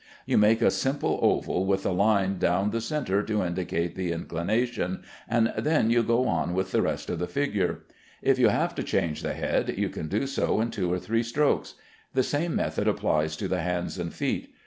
You make a simple oval with a line down the centre to indicate the inclination, and then you go on with the rest of the figure. If you have to change the head, you can do so in two or three strokes. The same method applies to the hands and feet.